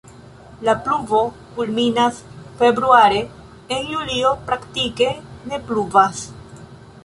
La pluvo kulminas februare, en julio praktike ne pluvas.